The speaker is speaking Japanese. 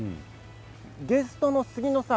ゲストの杉野さん